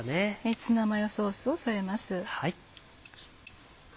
ツナマヨソースを添えます。